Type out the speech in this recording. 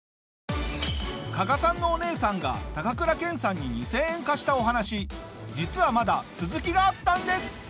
加賀さんのお姉さんが高倉健さんに２０００円貸したお話実はまだ続きがあったんです！